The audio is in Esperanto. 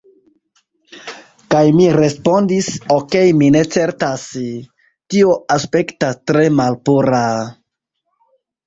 Kaj mi respondis, "Okej mi ne certas... tio aspektas tre malpura..."